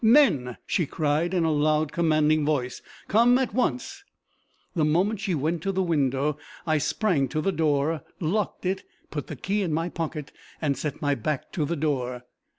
"Men!" she cried, in a loud, commanding voice, "come at once." The moment she went to the window, I sprang to the door, locked it, put the key in my pocket, and set my back to the door.